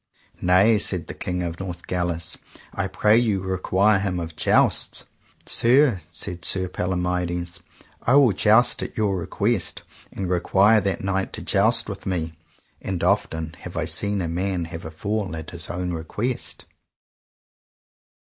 Nay, said the King of Northgalis, I pray you require him of jousts. Sir, said Sir Palomides, I will joust at your request, and require that knight to joust with me, and often I have seen a man have a fall at his own request.